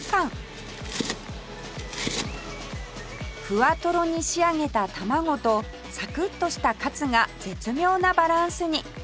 ふわトロに仕上げた卵とサクッとしたカツが絶妙なバランスに